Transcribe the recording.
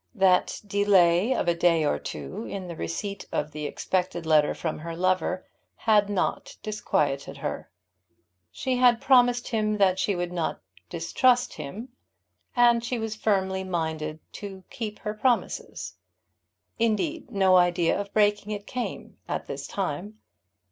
That delay of a day or two in the receipt of the expected letter from her lover had not disquieted her. She had promised him that she would not distrust him, and she was firmly minded to keep her promises. Indeed no idea of breaking it came to her at this time.